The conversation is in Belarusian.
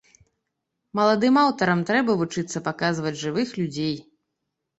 Маладым аўтарам трэба вучыцца паказваць жывых людзей.